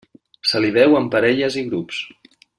Se li veu en parelles i grups.